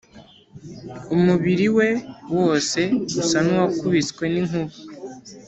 umubili we wose usa n'uwakubiswe n'inkuba!